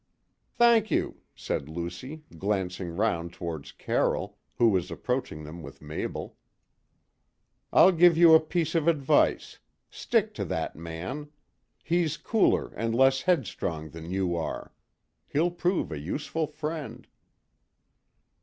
"Thank you," said Lucy, glancing round towards Carroll, who was approaching them with Mabel. "I'll give you a piece of advice stick to that man. He's cooler and less headstrong than you are; he'll prove a useful friend."